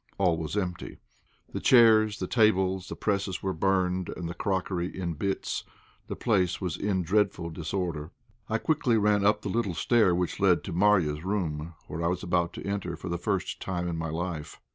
All was empty. The chairs, the tables, the presses were burned, and the crockery in bits; the place was in dreadful disorder. I quickly ran up the little stair which led to Marya's room, where I was about to enter for the first time in my life.